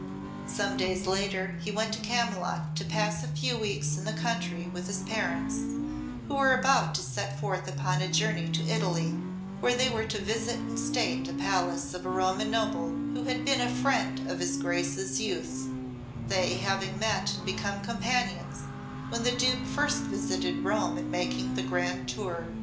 Some days later he went to Camylott to pass a few weeks in the country with his parents, who were about to set forth upon a journey to Italy, where they were to visit in state a palace of a Roman noble who had been a friend of his Grace's youth, they having met and become companions when the Duke first visited Rome in making the grand tour.